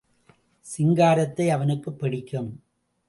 சிங்காரத்தை அவனுக்குப் பிடிக்கும்.